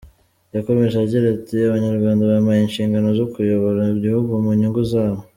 Yakomeje agira ati “ Abanyarwanda bampaye inshingano zo kuyobora igihugu mu nyungu zabo.